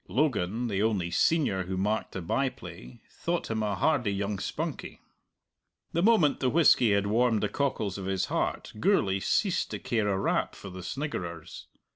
Logan, the only senior who marked the byplay, thought him a hardy young spunkie. The moment the whisky had warmed the cockles of his heart Gourlay ceased to care a rap for the sniggerers.